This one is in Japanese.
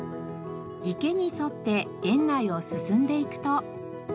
池に沿って園内を進んでいくと。